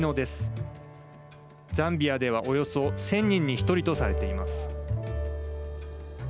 ザンビアではおよそ１０００人に１人とされています。